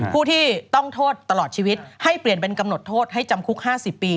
ผู้ที่ต้องโทษตลอดชีวิตให้เปลี่ยนเป็นกำหนดโทษให้จำคุก๕๐ปี